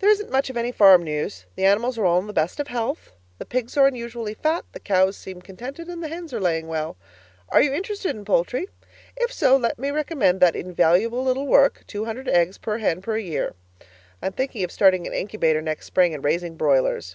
There isn't much of any farm news. The animals are all in the best of health. The pigs are unusually fat, the cows seem contented and the hens are laying well. Are you interested in poultry? If so, let me recommend that invaluable little work, 200 Eggs per Hen per Year. I am thinking of starting an incubator next spring and raising broilers.